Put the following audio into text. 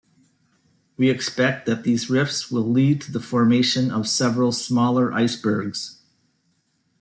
We expect that these rifts will lead to the formation of several smaller icebergs.